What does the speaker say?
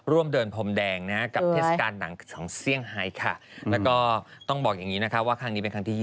ร่วมเดินพรมแดงนะครับกับเทศกาลหนังของเซียงไฮค่ะ